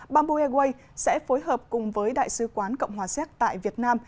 bamboo airways sẽ phối hợp cùng với đại sứ quán cộng hòa xéc tại việt nam